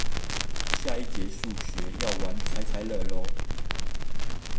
下一節數學，要玩猜猜樂囉